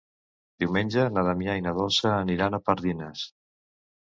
Diumenge na Damià i na Dolça aniran a Pardines.